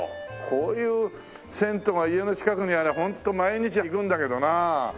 こういう銭湯が家の近くにありゃホント毎日行くんだけどな。